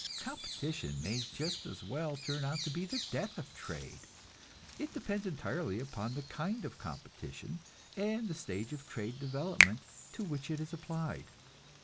Competition may just as well turn out to be the death of trade; it depends entirely upon the kind of competition, and the stage of trade development to which it is applied.